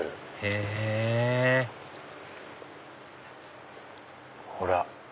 へぇほら。